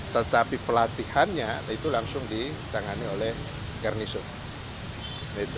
tetapi pelatihannya itu langsung ditangani oleh garnisu